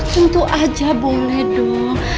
tentu aja boleh dong